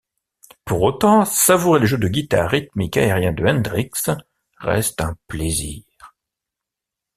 Pour autant, savourer le jeu de guitare rythmique aérien de Hendrix reste un plaisir...